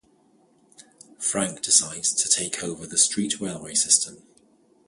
Frank decides to take over the street-railway system.